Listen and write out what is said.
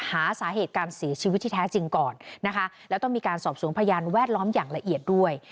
หาสาเหตุการเสียชีวิตที่แท้จริงก่อนนะคะแล้วต้องมีการสอบสวนพยานแวดล้อมอย่างละเอียดด้วย